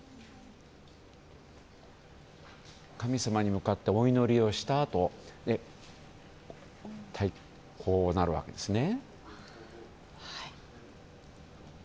神様に向かってお祈りをしたあとこうなるわけですね。